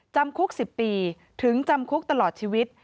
จำคุก๑๐ปีถึงจำคุกตลอดชีวิต